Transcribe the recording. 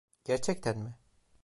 Gerçekten mi?